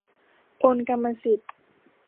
โอนกรรมสิทธิ์